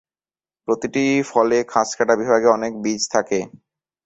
প্রতিটি ফলে খাঁজকাটা বিভাগে অনেক বীজ থাকে।